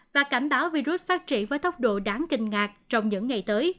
và cảnh báo virus phát triển với tốc độ đáng kinh ngạc trong những ngày tới